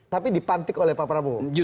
tapi dipantik oleh pak prabowo